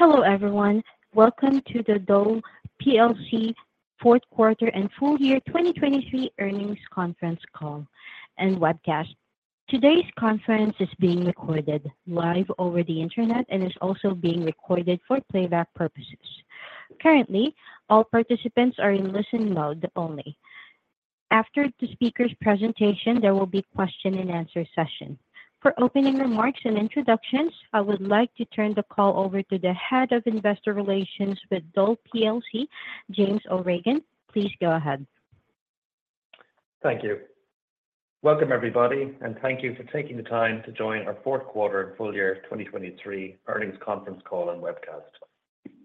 Hello everyone, welcome to the Dole plc fourth quarter and full year 2023 earnings conference call and webcast. Today's conference is being recorded live over the internet and is also being recorded for playback purposes. Currently, all participants are in listen mode only. After the speaker's presentation, there will be a Q&A session. For opening remarks and introductions, I would like to turn the call over to the Head of Investor Relations with Dole plc, James O'Regan. Please go ahead. Thank you. Welcome everybody, and thank you for taking the time to join our fourth quarter and full year 2023 earnings conference call and webcast.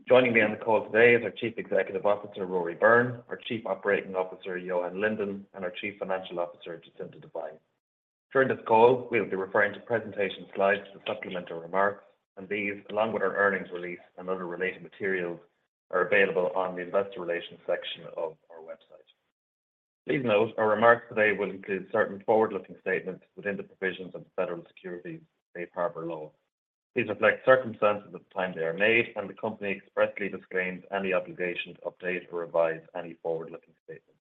Joining me on the call today is our Chief Executive Officer, Rory Byrne, our Chief Operating Officer, Johan Lindén, and our Chief Financial Officer, Jacinta Devine. During this call, we will be referring to presentation slides for supplemental remarks, and these, along with our earnings release and other related materials, are available on the investor relations section of our website. Please note, our remarks today will include certain forward-looking statements within the provisions of the Federal Securities Safe Harbor Law. These reflect circumstances at the time they are made, and the company expressly disclaims any obligation to update or revise any forward-looking statements.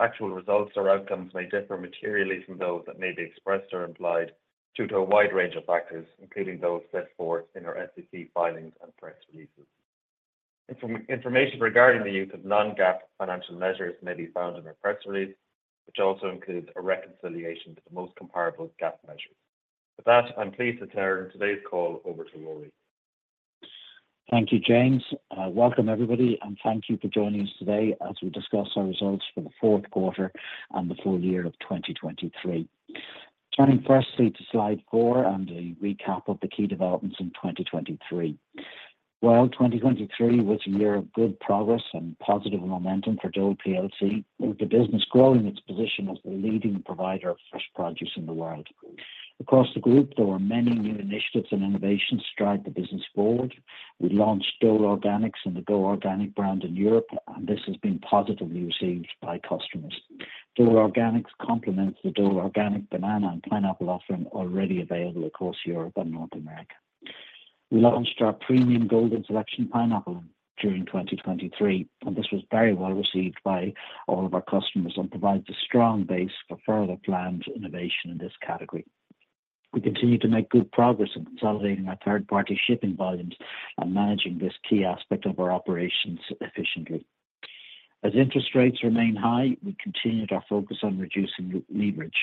Actual results or outcomes may differ materially from those that may be expressed or implied due to a wide range of factors, including those set forth in our SEC filings and press releases. Information regarding the use of non-GAAP financial measures may be found in our press release, which also includes a reconciliation to the most comparable GAAP measures. With that, I'm pleased to turn today's call over to Rory. Thank you, James. Welcome everybody and thank you for joining us today as we discuss our results for the fourth quarter and the full year of 2023. Turning firstly to slide four and a recap of the key developments in 2023. While 2023 was a year of good progress and positive momentum for Dole plc, with the business growing its position as the leading provider of fresh produce in the world. Across the group, there were many new initiatives and innovations to drive the business forward. We launched Dole Organics and the Go Organic brand in Europe, and this has been positively received by customers. Dole Organics complements the Dole Organic banana and pineapple offering already available across Europe and North America. We launched our premium Golden Selection Pineapple during 2023, and this was very well received by all of our customers and provides a strong base for further planned innovation in this category. We continue to make good progress in consolidating our third-party shipping volumes and managing this key aspect of our operations efficiently. As interest rates remain high, we continued our focus on reducing leverage.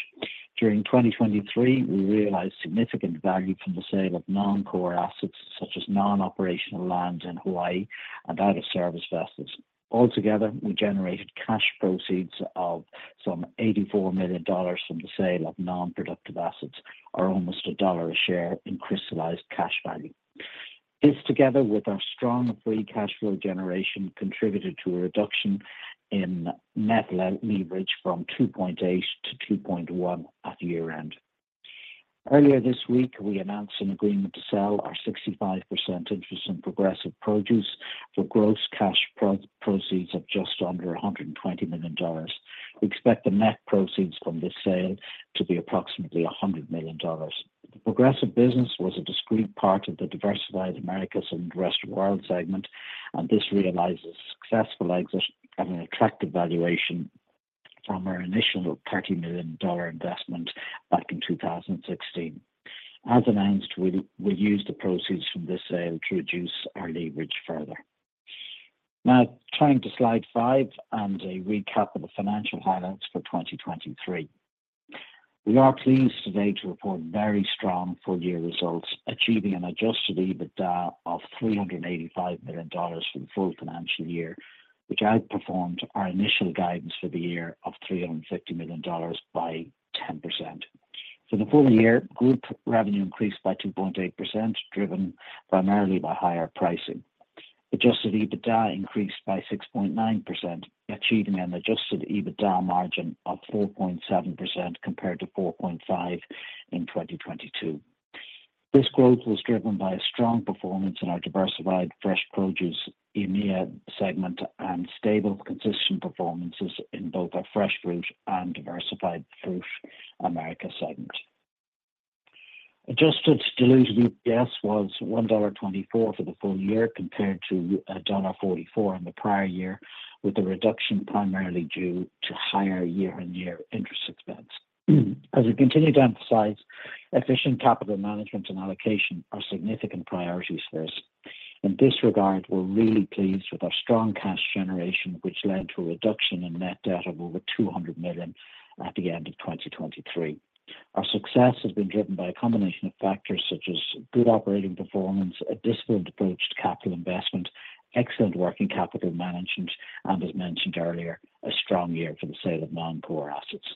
During 2023, we realized significant value from the sale of non-core assets such as non-operational land in Hawaii and out-of-service vessels. Altogether, we generated cash proceeds of some $84 million from the sale of non-productive assets, or almost $1 a share in crystallized cash value. This, together with our strong Free Cash Flow generation, contributed to a reduction in Net Leverage from 2.8-2.1 at year-end. Earlier this week, we announced an agreement to sell our 65% interest in Progressive Produce for gross cash proceeds of just under $120 million. We expect the net proceeds from this sale to be approximately $100 million. The Progressive business was a discrete part of the Diversified Americas and the Rest of the World segment, and this realized a successful exit at an attractive valuation from our initial $30 million investment back in 2016. As announced, we'll use the proceeds from this sale to reduce our leverage further. Now, turning to slide five and a recap of the financial highlights for 2023. We are pleased today to report very strong full year results, achieving an Adjusted EBITDA of $385 million for the full financial year, which outperformed our initial guidance for the year of $350 million by 10%. For the full year, group revenue increased by 2.8%, driven primarily by higher pricing. Adjusted EBITDA increased by 6.9%, achieving an adjusted EBITDA margin of 4.7% compared to 4.5% in 2022. This growth was driven by a strong performance in our Diversified Fresh Produce EMEA segment and stable, consistent performances in both our Fresh Fruit and Diversified Fruit America segment. Adjusted diluted EPS was $1.24 for the full year compared to $1.44 in the prior year, with a reduction primarily due to higher year-on-year interest expense. As we continue to emphasize, efficient capital management and allocation are significant priorities for us. In this regard, we're really pleased with our strong cash generation, which led to a reduction in net debt of over $200 million at the end of 2023. Our success has been driven by a combination of factors such as good operating performance, a disciplined approach to capital investment, excellent working capital management, and, as mentioned earlier, a strong year for the sale of non-core assets.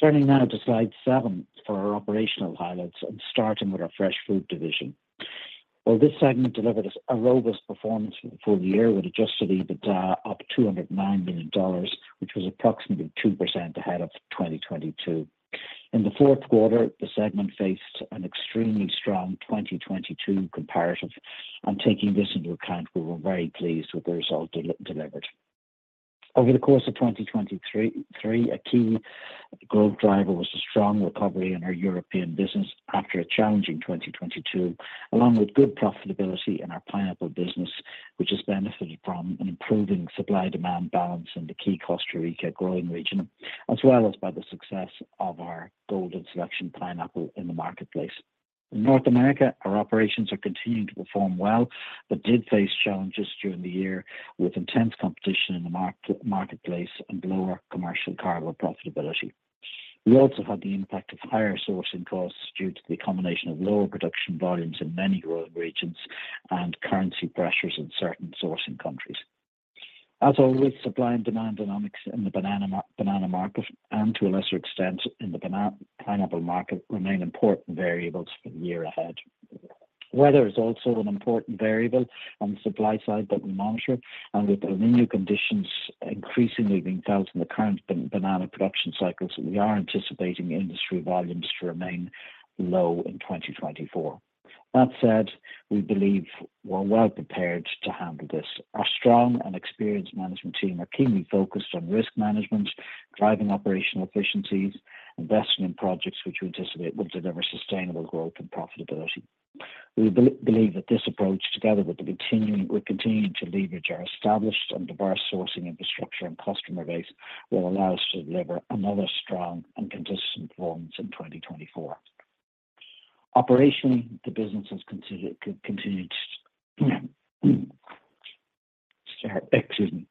Turning now to slide seven for our operational highlights and starting with our Fresh Fruit division. While this segment delivered a robust performance for the full year with adjusted EBITDA of $209 million, which was approximately 2% ahead of 2022, in the fourth quarter, the segment faced an extremely strong 2022 comparative. Taking this into account, we were very pleased with the results delivered. Over the course of 2023, a key growth driver was a strong recovery in our European business after a challenging 2022, along with good profitability in our pineapple business, which has benefited from an improving supply-demand balance in the key Costa Rica growing region, as well as by the success of our Golden Selection Pineapple in the marketplace. In North America, our operations are continuing to perform well but did face challenges during the year with intense competition in the marketplace and lower commercial cargo profitability. We also had the impact of higher sourcing costs due to the combination of lower production volumes in many growing regions and currency pressures in certain sourcing countries. As always, supply and demand dynamics in the banana market and, to a lesser extent, in the pineapple market remain important variables for the year ahead. Weather is also an important variable on the supply side that we monitor, and with El Niño conditions increasingly being felt in the current banana production cycles, we are anticipating industry volumes to remain low in 2024. That said, we believe we're well prepared to handle this. Our strong and experienced management team are keenly focused on risk management, driving operational efficiencies, investing in projects which we anticipate will deliver sustainable growth and profitability. We believe that this approach, together with continuing to leverage our established and diverse sourcing infrastructure and customer base, will allow us to deliver another strong and consistent performance in 2024. Operationally, the business has continued to, excuse me.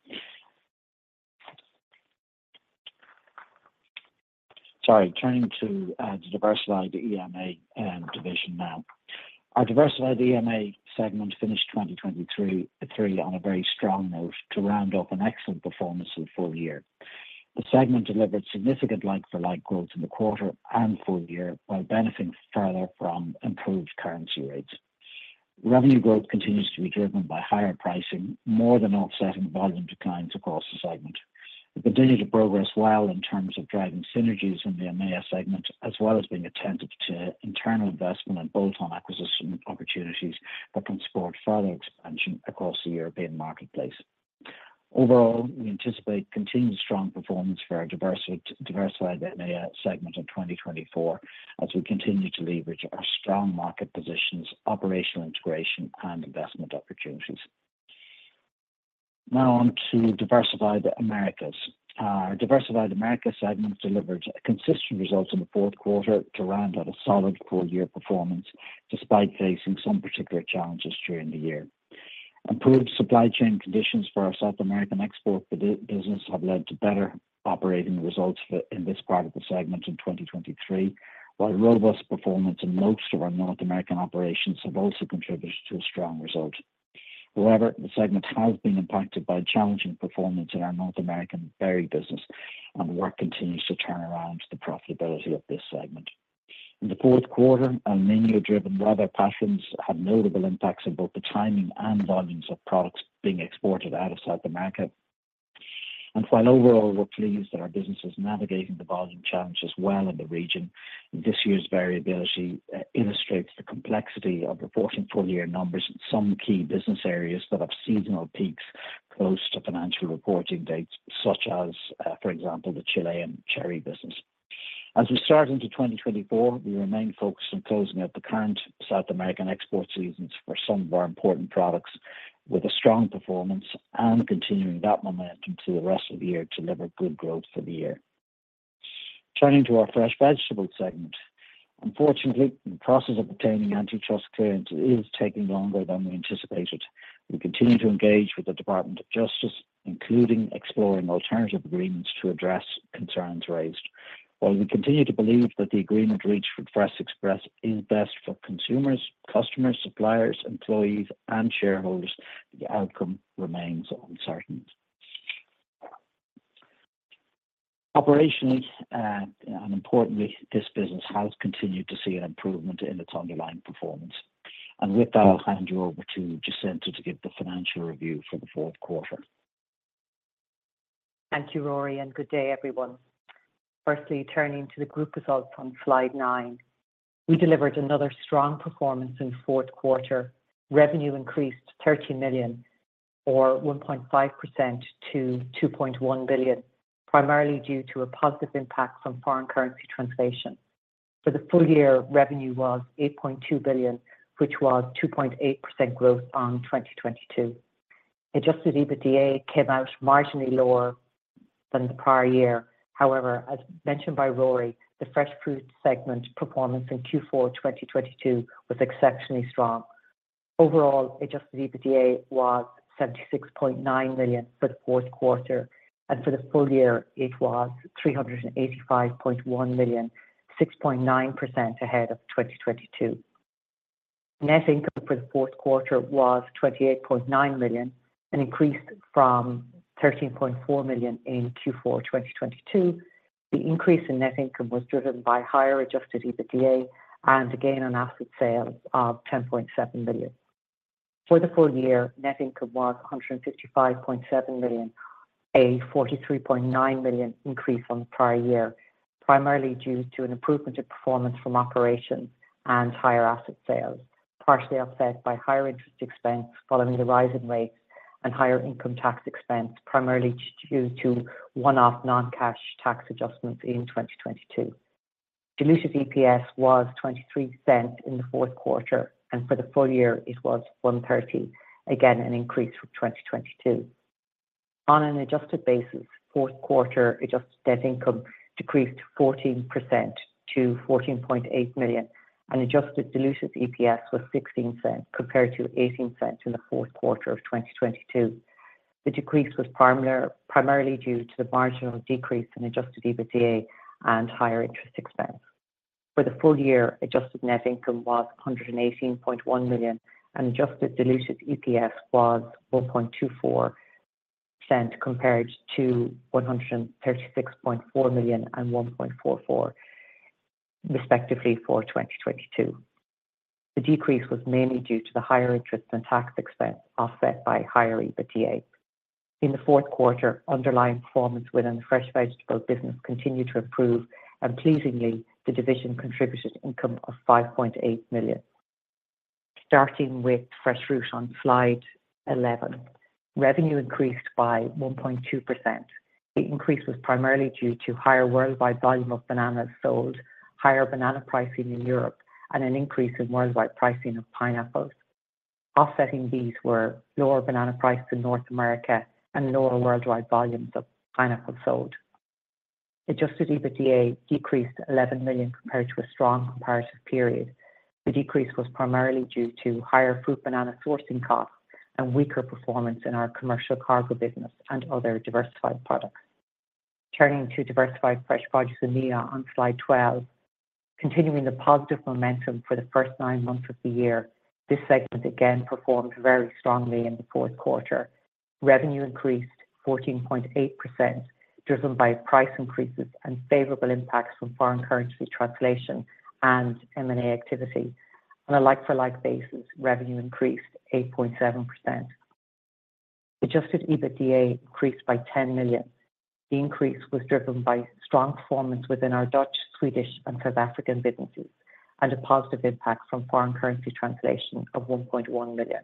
Sorry, turning to the Diversified EMEA division now. Our Diversified EMEA segment finished 2023 on a very strong note to round off an excellent performance in the full year. The segment delivered significant like-for-like growth in the quarter and full year while benefiting further from improved currency rates. Revenue growth continues to be driven by higher pricing, more than offsetting volume declines across the segment. We continue to progress well in terms of driving synergies in the EMEA segment, as well as being attentive to internal investment and bolt-on acquisition opportunities that can support further expansion across the European marketplace. Overall, we anticipate continued strong performance for our Diversified EMEA segment in 2024 as we continue to leverage our strong market positions, operational integration, and investment opportunities. Now on to Diversified Americas. Our Diversified Americas segment delivered consistent results in the fourth quarter to round out a solid full year performance despite facing some particular challenges during the year. Improved supply chain conditions for our South American export business have led to better operating results in this part of the segment in 2023, while robust performance in most of our North American operations have also contributed to a strong result. However, the segment has been impacted by challenging performance in our North American berry business, and the work continues to turn around the profitability of this segment. In the fourth quarter, El Niño-driven weather patterns had notable impacts on both the timing and volumes of products being exported out of South America. While overall, we're pleased that our business is navigating the volume challenges well in the region, this year's variability illustrates the complexity of reporting full year numbers in some key business areas that have seasonal peaks close to financial reporting dates, such as, for example, the Chilean cherry business. As we start into 2024, we remain focused on closing out the current South American export seasons for some of our important products with a strong performance and continuing that momentum through the rest of the year to deliver good growth for the year. Turning to our Fresh Vegetable segment. Unfortunately, the process of obtaining antitrust clearance is taking longer than we anticipated. We continue to engage with the Department of Justice, including exploring alternative agreements to address concerns raised. While we continue to believe that the agreement reached with Fresh Express is best for consumers, customers, suppliers, employees, and shareholders, the outcome remains uncertain. Operationally, and importantly, this business has continued to see an improvement in its underlying performance. And with that, I'll hand you over to Jacinta to give the financial review for the fourth quarter. Thank you, Rory, and good day, everyone. Firstly, turning to the group results on slide nine. We delivered another strong performance in the fourth quarter. Revenue increased $13 million, or 1.5% to $2.1 billion, primarily due to a positive impact from foreign currency translation. For the full year, revenue was $8.2 billion, which was 2.8% growth on 2022. Adjusted EBITDA came out marginally lower than the prior year. However, as mentioned by Rory, the Fresh Fruit segment performance in Q4 2022 was exceptionally strong. Overall, adjusted EBITDA was $76.9 million for the fourth quarter, and for the full year, it was $385.1 million, 6.9% ahead of 2022. Net income for the fourth quarter was $28.9 million and increased from $13.4 million in Q4 2022. The increase in net income was driven by higher adjusted EBITDA and a gain on asset sales of $10.7 million. For the full year, net income was $155.7 million, a $43.9 million increase on the prior year, primarily due to an improvement in performance from operations and higher asset sales, partially offset by higher interest expense following the rise in rates and higher income tax expense, primarily due to one-off non-cash tax adjustments in 2022. Diluted EPS was $0.23 in the fourth quarter, and for the full year, it was $1.30, again an increase from 2022. On an adjusted basis, fourth quarter adjusted net income decreased 14% to $14.8 million, and adjusted diluted EPS was $0.16 compared to $0.18 in the fourth quarter of 2022. The decrease was primarily due to the marginal decrease in adjusted EBITDA and higher interest expense. For the full year, adjusted net income was $118.1 million, and adjusted diluted EPS was $1.24 compared to $136.4 million and $1.44, respectively, for 2022. The decrease was mainly due to the higher interest and tax expense offset by higher EBITDA. In the fourth quarter, underlying performance within the Fresh Vegetable business continued to improve, and pleasingly, the division contributed income of $5.8 million. Starting with Fresh Fruit on slide 11, revenue increased by 1.2%. The increase was primarily due to higher worldwide volume of bananas sold, higher banana pricing in Europe, and an increase in worldwide pricing of pineapples. Offsetting these were lower banana prices in North America and lower worldwide volumes of pineapples sold. Adjusted EBITDA decreased $11 million compared to a strong comparative period. The decrease was primarily due to higher fruit banana sourcing costs and weaker performance in our commercial cargo business and other Diversified products. Turning to Diversified Fresh Produce EMEA on slide 12. Continuing the positive momentum for the first nine months of the year, this segment again performed very strongly in the fourth quarter. Revenue increased 14.8%, driven by price increases and favorable impacts from foreign currency translation and M&A activity. On a like-for-like basis, revenue increased 8.7%. Adjusted EBITDA increased by $10 million. The increase was driven by strong performance within our Dutch, Swedish, and South African businesses and a positive impact from foreign currency translation of $1.1 million.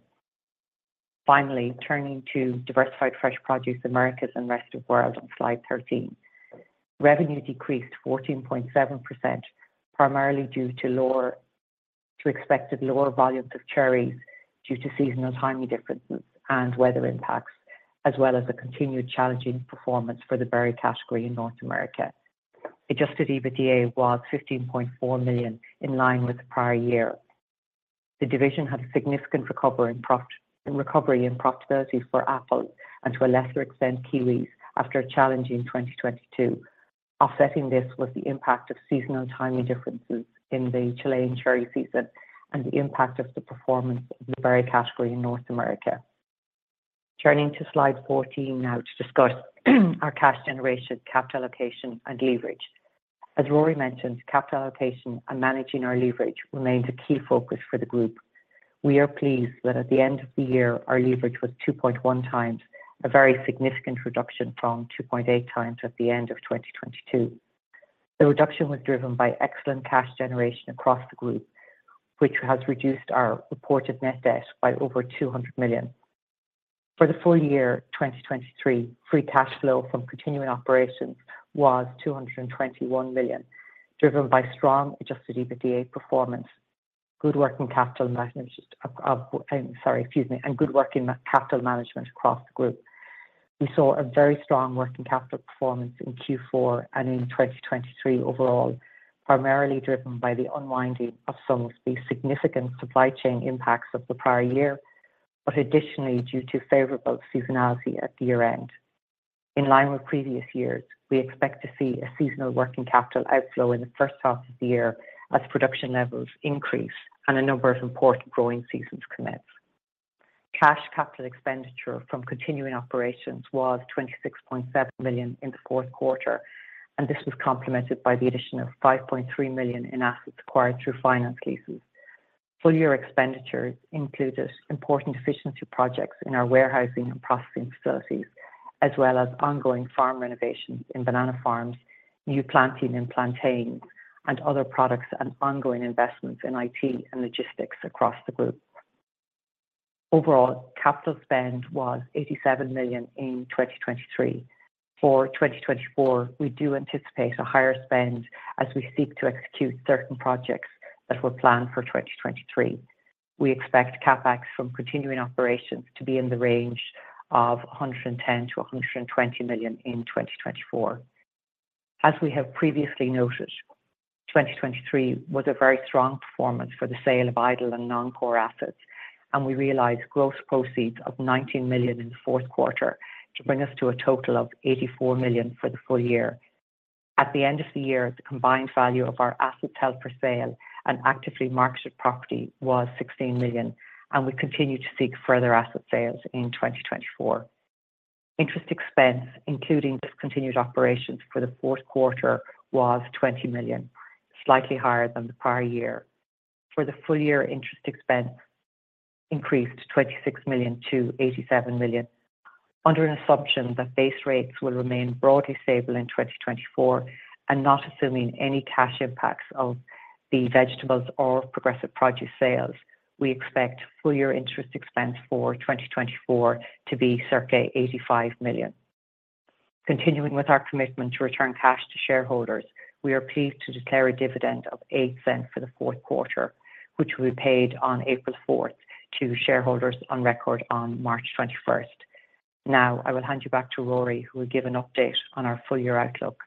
Finally, turning to Diversified Fresh Produce Americas and Rest of the World on slide 13. Revenue decreased 14.7%, primarily due to expected lower volumes of cherries due to seasonal timing differences and weather impacts, as well as a continued challenging performance for the berry category in North America. Adjusted EBITDA was $15.4 million in line with the prior year. The division had a significant recovery in profitability for apples and, to a lesser extent, kiwis after a challenging 2022. Offsetting this was the impact of seasonal timing differences in the Chilean cherry season and the impact of the performance of the berry category in North America. Turning to slide 14 now to discuss our cash generation, capital allocation, and leverage. As Rory mentioned, capital allocation and managing our leverage remains a key focus for the group. We are pleased that at the end of the year, our leverage was 2.1x, a very significant reduction from 2.8x at the end of 2022. The reduction was driven by excellent cash generation across the group, which has reduced our reported net debt by over $200 million. For the full year 2023, free cash flow from continuing operations was $221 million, driven by strong Adjusted EBITDA performance, good working capital management and good working capital management across the group. We saw a very strong working capital performance in Q4 and in 2023 overall, primarily driven by the unwinding of some of the significant supply chain impacts of the prior year, but additionally due to favorable seasonality at the year-end. In line with previous years, we expect to see a seasonal working capital outflow in the first half of the year as production levels increase and a number of important growing seasons commit. Cash capital expenditure from continuing operations was $26.7 million in the fourth quarter, and this was complemented by the addition of $5.3 million in assets acquired through finance leases. Full year expenditures included important efficiency projects in our warehousing and processing facilities, as well as ongoing farm renovations in banana farms, new planting in plantains, and other products and ongoing investments in IT and logistics across the group. Overall, capital spend was $87 million in 2023. For 2024, we do anticipate a higher spend as we seek to execute certain projects that were planned for 2023. We expect CapEx from continuing operations to be in the range of $110 million-$120 million in 2024. As we have previously noted, 2023 was a very strong performance for the sale of idle and non-core assets, and we realized gross proceeds of $19 million in the fourth quarter to bring us to a total of $84 million for the full year. At the end of the year, the combined value of our asset sale per sale and actively marketed property was $16 million, and we continue to seek further asset sales in 2024. Interest expense, including discontinued operations for the fourth quarter, was $20 million, slightly higher than the prior year. For the full year, interest expense increased $26 million to $87 million. Under an assumption that base rates will remain broadly stable in 2024 and not assuming any cash impacts of the vegetables or Progressive Produce sales, we expect full year interest expense for 2024 to be circa $85 million. Continuing with our commitment to return cash to shareholders, we are pleased to declare a dividend of $0.08 for the fourth quarter, which will be paid on April 4th to shareholders on record on March 21st. Now, I will hand you back to Rory, who will give an update on our full year outlook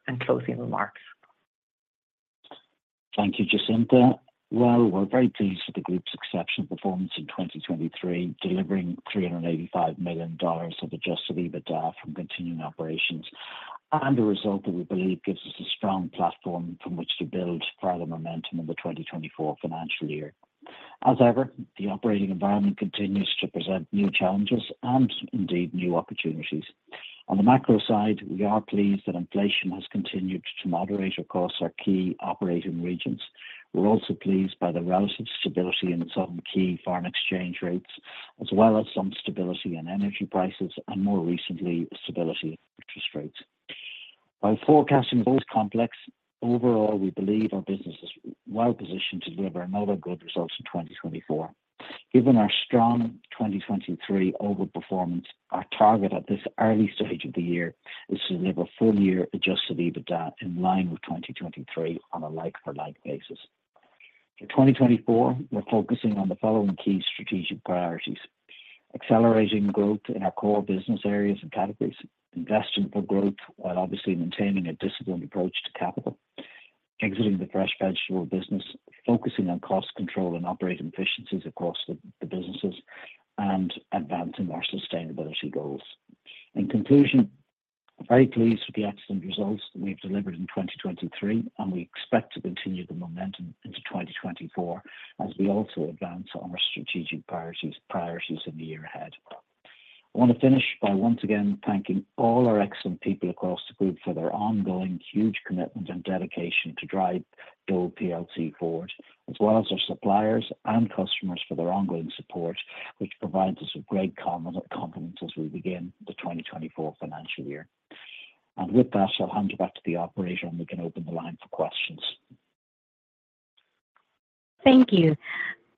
and closing remarks. Thank you, Jacinta. Well, we're very pleased with the group's exceptional performance in 2023, delivering $385 million of adjusted EBITDA from continuing operations and a result that we believe gives us a strong platform from which to build further momentum in the 2024 financial year. As ever, the operating environment continues to present new challenges and, indeed, new opportunities. On the macro side, we are pleased that inflation has continued to moderate across our key operating regions. We're also pleased by the relative stability in some key foreign exchange rates, as well as some stability in energy prices and, more recently, stability in interest rates. While forecasting is always complex, overall, we believe our business is well positioned to deliver another good result in 2024. Given our strong 2023 overperformance, our target at this early stage of the year is to deliver full year adjusted EBITDA in line with 2023 on a like-for-like basis. For 2024, we're focusing on the following key strategic priorities: accelerating growth in our core business areas and categories, investing for growth while obviously maintaining a disciplined approach to capital, exiting the Fresh Vegetable business, focusing on cost control and operating efficiencies across the businesses, and advancing our sustainability goals. In conclusion, very pleased with the excellent results that we have delivered in 2023, and we expect to continue the momentum into 2024 as we also advance on our strategic priorities in the year ahead. I want to finish by once again thanking all our excellent people across the group for their ongoing huge commitment and dedication to drive Dole plc forward, as well as our suppliers and customers for their ongoing support, which provides us with great confidence as we begin the 2024 financial year. And with that, I'll hand you back to the operator, and we can open the line for questions. Thank you.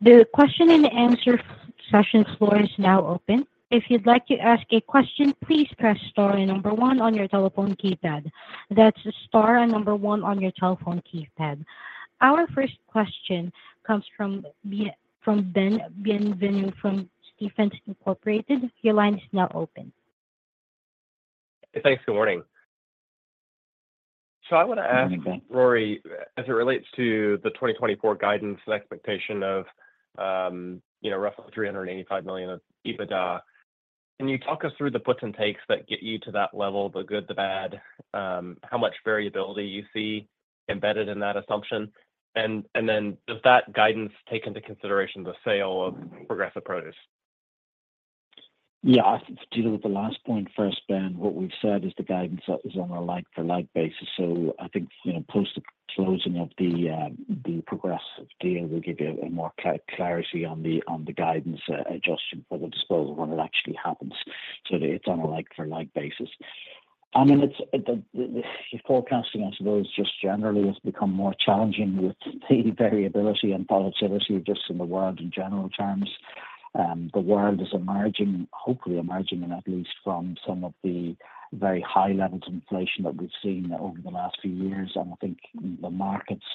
The Q&A session floor is now open. If you'd like to ask a question, please press star and number one on your telephone keypad. That's star and number one on your telephone keypad. Our first question comes from Ben Bienvenu from Stephens, Incorporated. Your line is now open. Thanks. Good morning. So I want to ask Rory, as it relates to the 2024 guidance and expectation of roughly $385 million of EBITDA, can you talk us through the puts and takes that get you to that level, the good, the bad, how much variability you see embedded in that assumption? And then does that guidance take into consideration the sale of Progressive Produce? Yeah. I think to deal with the last point first, Ben, what we've said is the guidance is on a like-for-like basis. So I think post-closing of the Progressive deal, we'll give you more clarity on the guidance adjustment for the disposal when it actually happens. So it's on a like-for-like basis. I mean, your forecasting, I suppose, just generally has become more challenging with the variability and volatility just in the world in general terms. The world is emerging, hopefully emerging at least, from some of the very high levels of inflation that we've seen over the last few years. And I think the markets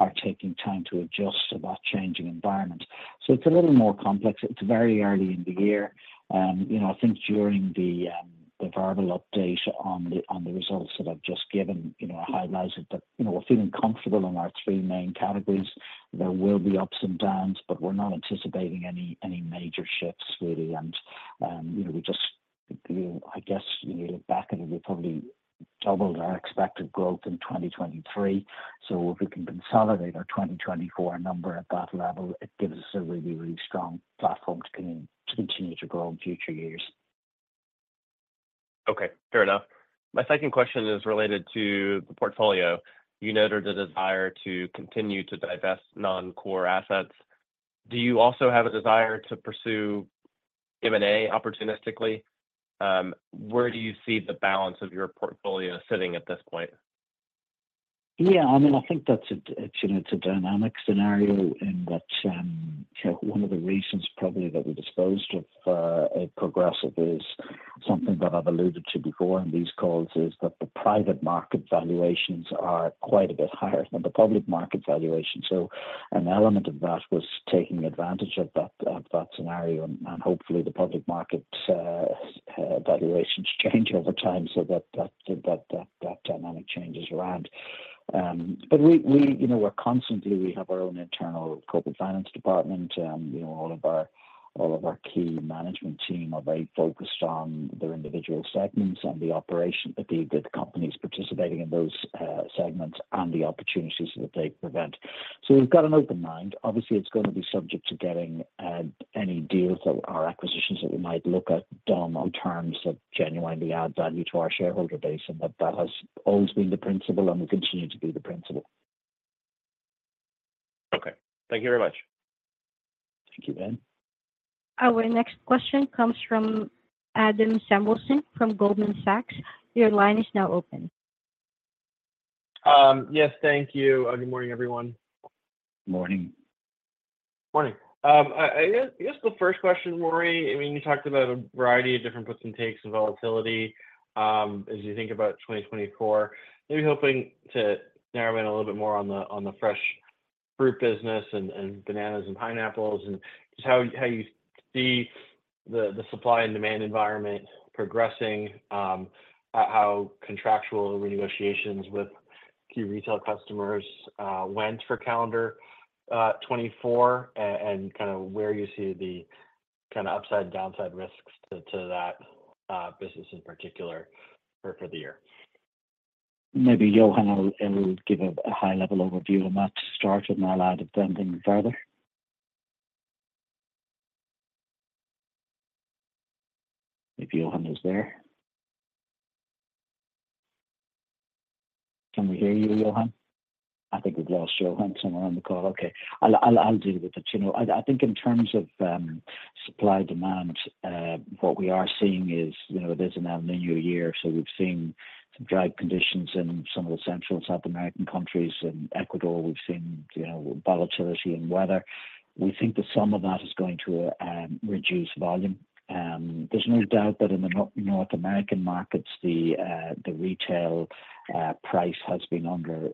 are taking time to adjust to that changing environment. So it's a little more complex. It's very early in the year. I think during the verbal update on the results that I've just given, I highlighted that we're feeling comfortable in our three main categories. There will be ups and downs, but we're not anticipating any major shifts, really. And we just, I guess, when you look back at it, we probably doubled our expected growth in 2023. So if we can consolidate our 2024 number at that level, it gives us a really, really strong platform to continue to grow in future years. Okay. Fair enough. My second question is related to the portfolio. You noted a desire to continue to divest non-core assets. Do you also have a desire to pursue M&A opportunistically? Where do you see the balance of your portfolio sitting at this point? Yeah. I mean, I think it's a dynamic scenario in that one of the reasons probably that we disposed of Progressive is something that I've alluded to before in these calls, is that the private market valuations are quite a bit higher than the public market valuation. So an element of that was taking advantage of that scenario and hopefully the public market valuations change over time so that that dynamic changes around. But we constantly have our own internal corporate finance department. All of our key management team are very focused on their individual segments and the operation that the companies participating in those segments and the opportunities that they present. So we've got an open mind. Obviously, it's going to be subject to getting any deals or acquisitions that we might look at done in terms of genuinely added value to our shareholder base. That has always been the principle, and will continue to be the principle. Okay. Thank you very much. Thank you, Ben. Our next question comes from Adam Samuelson from Goldman Sachs. Your line is now open. Yes. Thank you. Good morning, everyone. Morning. Morning. I guess the first question, Rory, I mean, you talked about a variety of different puts and takes and volatility as you think about 2024. Maybe hoping to narrow in a little bit more on the Fresh Fruit business and bananas and pineapples and just how you see the supply and demand environment progressing, how contractual renegotiations with key retail customers went for calendar 2024, and kind of where you see the kind of upside and downside risks to that business in particular for the year. Maybe Johan will give a high-level overview and that starts and I'll add to that thing further. Maybe Johan is there. Can we hear you, Johan? I think we've lost Johan somewhere on the call. Okay. I'll deal with it. I think in terms of supply-demand, what we are seeing is it is an El Niño year. So we've seen some dry conditions in some of the central South American countries and Ecuador. We've seen volatility in weather. We think that some of that is going to reduce volume. There's no doubt that in the North American markets, the retail price has been under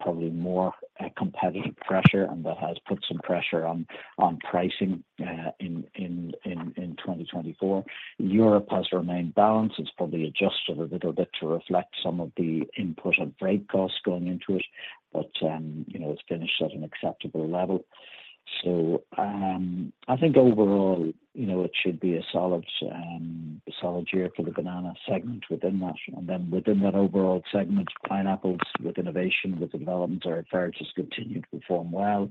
probably more competitive pressure, and that has put some pressure on pricing in 2024. Europe has remained balanced. It's probably adjusted a little bit to reflect some of the input of freight costs going into it, but it's finished at an acceptable level. So I think overall, it should be a solid year for the banana segment within that. And then within that overall segment, pineapples with innovation, with the developments, are encouraged to continue to perform well.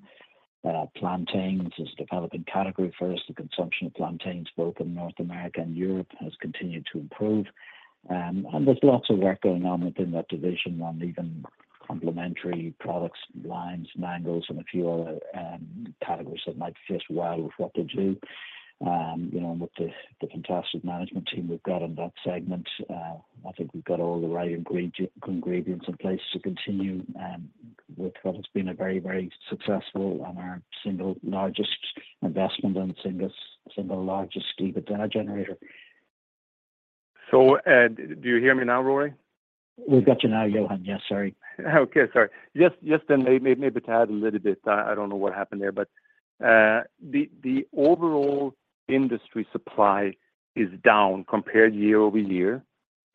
Plantains is a developing category for us. The consumption of plantains, both in North America and Europe, has continued to improve. And there's lots of work going on within that division on even complementary products, lines, mangoes, and a few other categories that might fit well with what they do. And with the fantastic management team we've got on that segment, I think we've got all the right ingredients in place to continue with what has been a very, very successful and our single largest investment and single largest EBITDA generator. Do you hear me now, Rory? We've got you now, Johan. Yes. Sorry. Okay. Sorry. Just to maybe add a little bit. I don't know what happened there, but the overall industry supply is down compared year-over-year.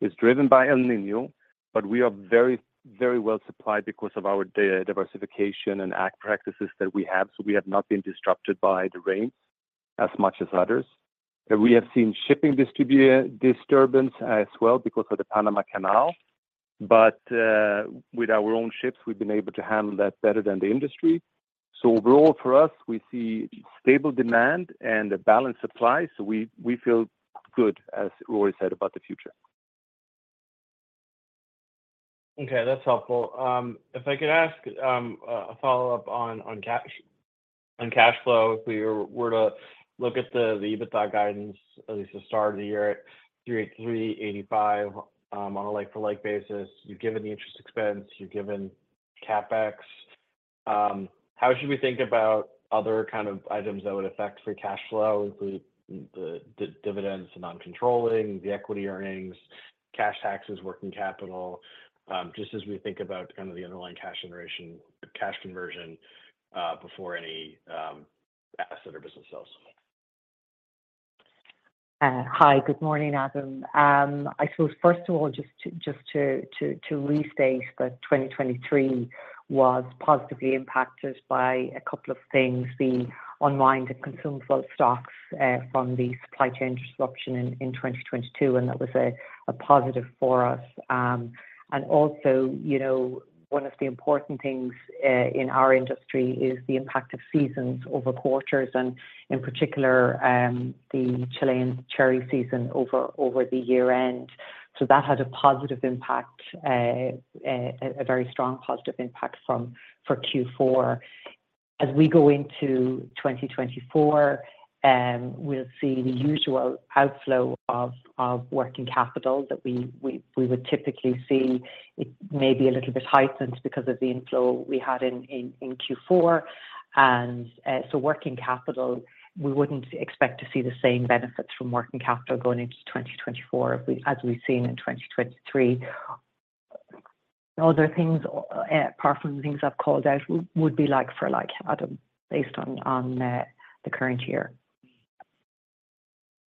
It's driven by El Niño, but we are very, very well supplied because of our diversification and act practices that we have. So, we have not been disrupted by the rains as much as others. We have seen shipping disturbance as well because of the Panama Canal. But with our own ships, we've been able to handle that better than the industry. So overall, for us, we see stable demand and a balanced supply. So we feel good, as Rory said, about the future. Okay. That's helpful. If I could ask a follow-up on cash flow, if we were to look at the EBITDA guidance, at least the start of the year, at $383.85 on a like-for-like basis, you've given the interest expense, you've given CapEx. How should we think about other kind of items that would affect free cash flow, include the dividends and non-controlling, the equity earnings, cash taxes, working capital, just as we think about kind of the underlying cash generation, cash conversion before any asset or business sells? Hi. Good morning, Adam. I suppose, first of all, just to restate, but 2023 was positively impacted by a couple of things. The online consumer stocks from the supply chain disruption in 2022, and that was a positive for us. And also, one of the important things in our industry is the impact of seasons over quarters, and in particular, the Chilean cherry season over the year-end. So that had a positive impact, a very strong positive impact for Q4. As we go into 2024, we'll see the usual outflow of working capital that we would typically see. It may be a little bit heightened because of the inflow we had in Q4. And so working capital, we wouldn't expect to see the same benefits from working capital going into 2024 as we've seen in 2023. Other things, apart from the things I've called out, would be like-for-like, Adam, based on the current year.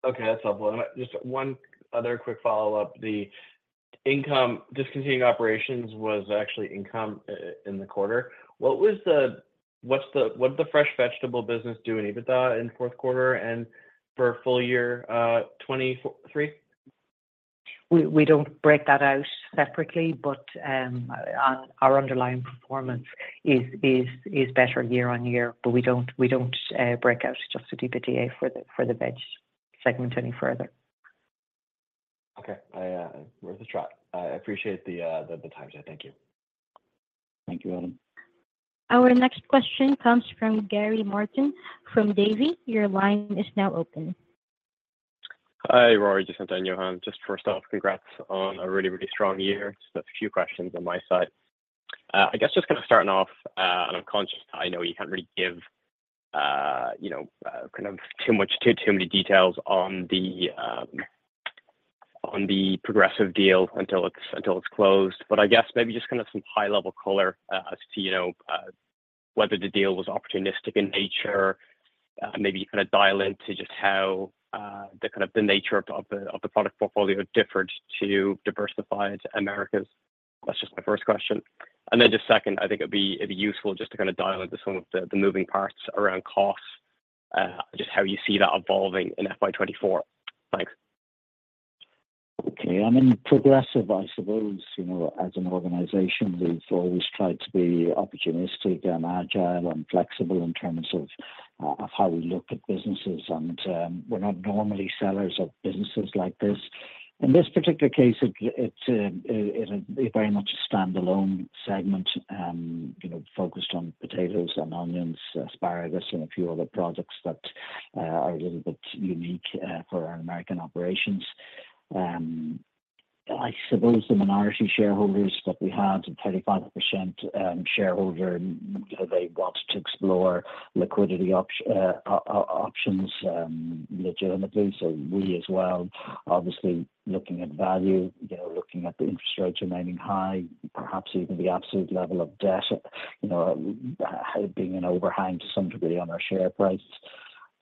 Okay. That's helpful. Just one other quick follow-up. The discontinued operations was actually income in the quarter. What did the Fresh Vegetable business do in EBITDA in fourth quarter and for full year 2023? We don't break that out separately, but our underlying performance is better year-on-year. But we don't break out just to DPDA for the veg segment any further. Okay. Worth a try. I appreciate the time today. Thank you. Thank you, Adam. Our next question comes from Gary Martin from Davy. Your line is now open. Hi, Rory, Jacinta, and Johan. Just first off, congrats on a really, really strong year. Just a few questions on my side. I guess just kind of starting off, and I'm conscious that I know you can't really give kind of too many details on the Progressive deal until it's closed. But I guess maybe just kind of some high-level color as to whether the deal was opportunistic in nature, maybe kind of dial into just how kind of the nature of the product portfolio differed to Diversified Americas. That's just my first question. And then just second, I think it'd be useful just to kind of dial into some of the moving parts around costs, just how you see that evolving in FY 2024. Thanks. Okay. I mean, Progressive, I suppose, as an organization, we've always tried to be opportunistic and agile and flexible in terms of how we look at businesses. We're not normally sellers of businesses like this. In this particular case, it's very much a standalone segment focused on potatoes and onions, asparagus, and a few other products that are a little bit unique for our American operations. I suppose the minority shareholders that we had, 35% shareholder, they wanted to explore liquidity options legitimately. We as well, obviously, looking at value, looking at the interest rates remaining high, perhaps even the absolute level of debt being an overhang to some degree on our share prices.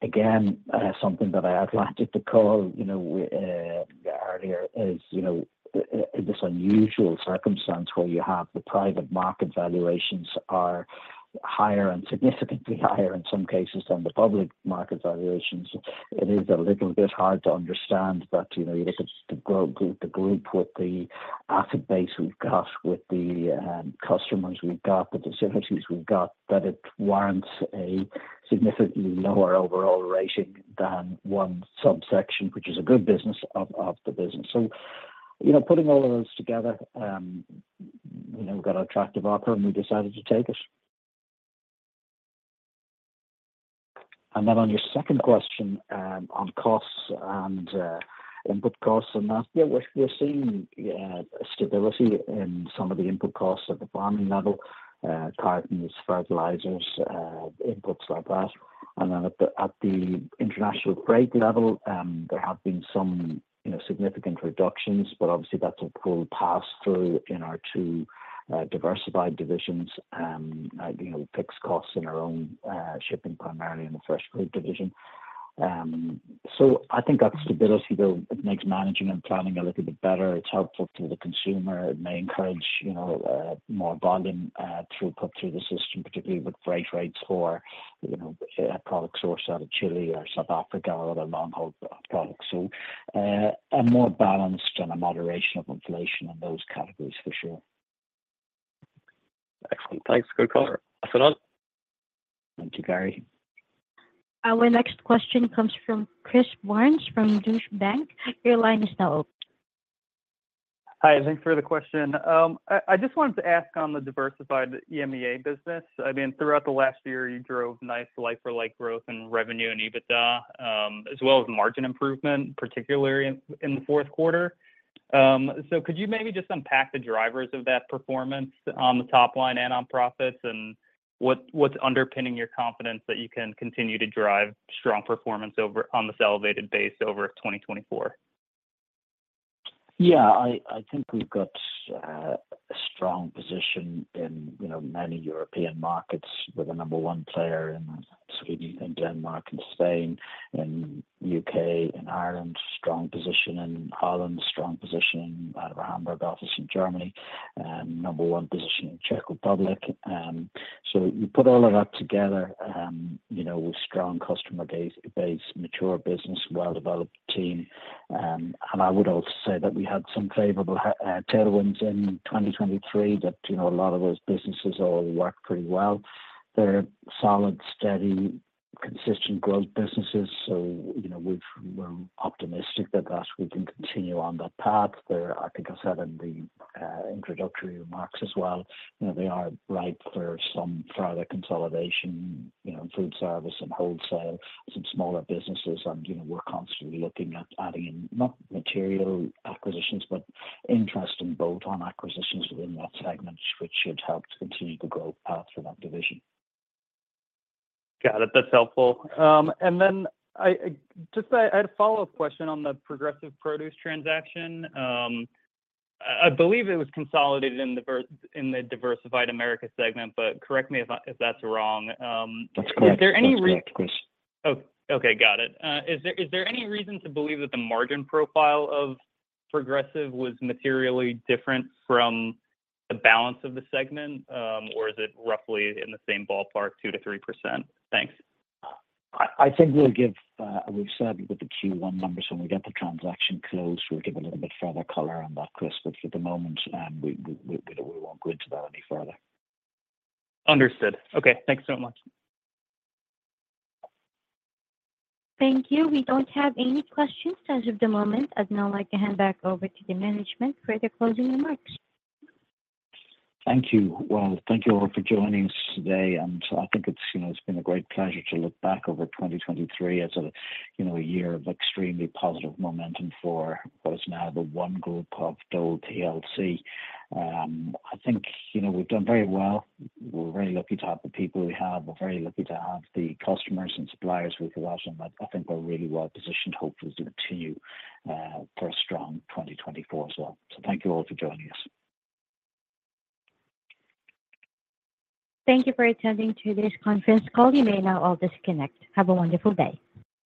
Again, something that I outlined at the call earlier is this unusual circumstance where you have the private market valuations are higher and significantly higher in some cases than the public market valuations. It is a little bit hard to understand that you look at the group with the asset base we've got, with the customers we've got, the facilities we've got, that it warrants a significantly lower overall rating than one subsection, which is a good business of the business. So putting all of those together, we got an attractive offer, and we decided to take it. And then on your second question on costs and input costs and that, yeah, we're seeing stability in some of the input costs at the farming level, cartons, fertilizers, inputs like that. And then at the international freight level, there have been some significant reductions, but obviously, that's a full pass-through in our two Diversified divisions. We fix costs in our own shipping, primarily in the Fresh Fruit division. So I think that stability, though, it makes managing and planning a little bit better. It's helpful to the consumer. It may encourage more volume throughput through the system, particularly with freight rates for product source out of Chile or South Africa or other long-haul products. So a more balanced and a moderation of inflation in those categories, for sure. Excellent. Thanks. Good caller. That's it, Adam. Thank you, Gary. Our next question comes from Chris Barnes from Deutsche Bank. Your line is now open. Hi. Thanks for the question. I just wanted to ask on the Diversified EMEA business. I mean, throughout the last year, you drove nice like-for-like growth and revenue in EBITDA as well as margin improvement, particularly in the fourth quarter. So, could you maybe just unpack the drivers of that performance on the top line and on profits and what's underpinning your confidence that you can continue to drive strong performance on this elevated base over 2024? Yeah. I think we've got a strong position in many European markets with a number one player in Sweden and Denmark and Spain, in the U.K. and Ireland, strong position in Holland, strong position out of our Hamburg office in Germany, and number one position in the Czech Republic. So, you put all of that together with strong customer base, mature business, well-developed team. And I would also say that we had some favorable tailwinds in 2023, that a lot of those businesses all worked pretty well. They're solid, steady, consistent growth businesses. So, we're optimistic that we can continue on that path. I think I said in the introductory remarks as well, they are ripe for some further consolidation in food service and wholesale, some smaller businesses. We're constantly looking at adding in not material acquisitions, but interest and bolt-on acquisitions within that segment, which should help to continue the growth path for that division. Got it. That's helpful. And then I had a follow-up question on the Progressive Produce transaction. I believe it was consolidated in the Diversified Americas segment, but correct me if that's wrong? That's correct. Correct. Is there any reason? Yeah. Correct. Okay. Got it. Is there any reason to believe that the margin profile of Progressive was materially different from the balance of the segment, or is it roughly in the same ballpark, 2%-3%? Thanks. I think we'll give. We've certainly put the Q1 numbers when we get the transaction closed. We'll give a little bit further color on that, Chris. But for the moment, we won't go into that any further. Understood. Okay. Thanks so much. Thank you. We don't have any questions as of the moment. I'd now like to hand back over to the management for their closing remarks. Thank you. Well, thank you all for joining us today. I think it's been a great pleasure to look back over 2023 as a year of extremely positive momentum for what is now the one group of Dole plc. I think we've done very well. We're very lucky to have the people we have. We're very lucky to have the customers and suppliers we've got. I think we're really well positioned. Hopefully, it's going to continue for a strong 2024 as well. So, thank you all for joining us. Thank you for attending to this conference call. You may now all disconnect. Have a wonderful day.